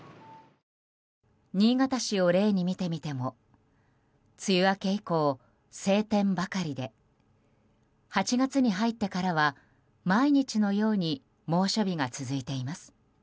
新潟市を例に見てみても梅雨明け以降、晴天ばかりで８月に入ってからは毎日のように猛暑日が続いています。